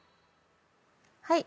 はい。